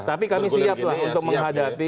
tapi kami siap lah untuk menghadapi